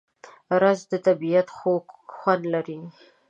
رس د طبیعت خوږ خوند لري